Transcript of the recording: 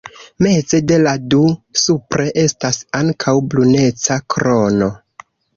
Meze de la du, supre, estas ankaŭ bruneca krono.